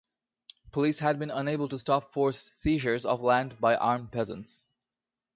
Police had been unable to stop forced seizures of land by armed peasants.